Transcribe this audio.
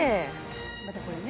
またこれね。